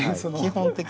基本的に。